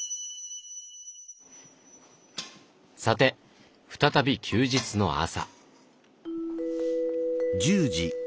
さて再び休日の朝。